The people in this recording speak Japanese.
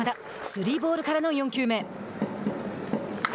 スリーボールからの４球目。